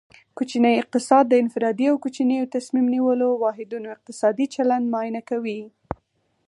کوچنی اقتصاد د انفرادي او کوچنیو تصمیم نیولو واحدونو اقتصادي چلند معاینه کوي